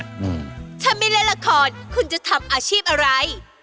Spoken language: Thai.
อืมถ้าไม่เล่นละครคุณจะทำอาชีพอะไร